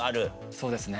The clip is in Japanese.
そうですね。